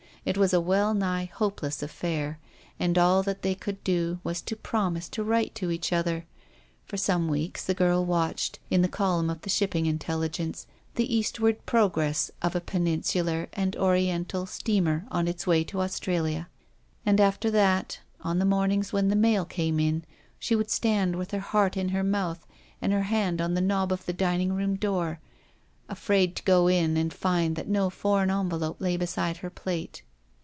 It was a well nigh hopeless affair, and all that they could do was to promise to write to each other. For some weeks the girl watched in the column of the shipping intelligence, the eastward progress of a Peninsular and Oriental steamer on its way to Australia, and after that, on Monday mornings, when the mail comes in, she would stand, with her heart in her mouth, and her hand on the knob of the dining room door, afraid to go in and find that no foreign en velope lay beside her plate.